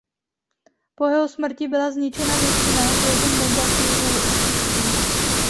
Po jeho smrti byla zničena většina z jeho negativů a tisků.